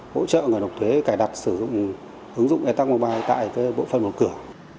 hỗ trợ người nộp thuế cài đặt sử dụng ứng dụng e tac mobile tại bộ phận một cửa